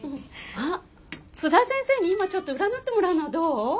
あっ津田先生に今ちょっと占ってもらうのはどう？